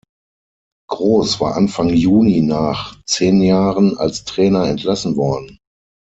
Gross war Anfang Juni nach zehn Jahren als Trainer entlassen worden.